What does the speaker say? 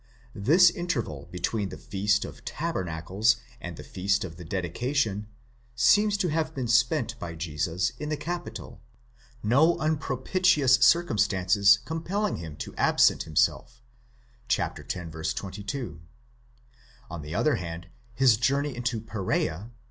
The interval between the Feast of Tabernacles and the Feast of the Dedication seems to have been spent by Jesus in the capital,? no unpropitious circumstances com pelling him to absent himself (x. 22); on the other hand, his journey into Perea (x.